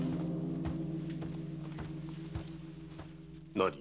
何？